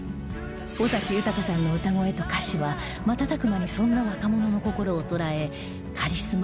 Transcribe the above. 尾崎豊さんの歌声と歌詞は瞬く間にそんな若者の心を捉え「カリスマ」